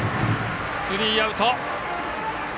スリーアウト。